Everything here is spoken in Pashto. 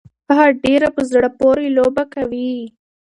هغه ډيره په زړه پورې لوبه کوي.